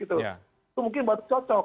itu mungkin buat cocok